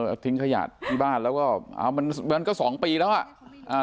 เอาทิ้งขยะที่บ้านแล้วก็มันก็๒ปีแล้วอ่ะ